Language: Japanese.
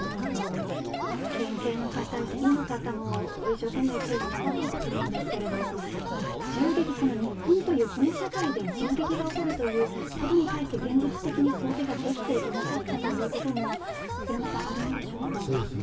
県警の方、ＳＰの方も一生懸命警護に当たっていたと思うんですけれど銃撃、日本というこの社会で銃撃が起こるということに対して現実的に想定ができていなかったということも平松さんあるんでしょうか。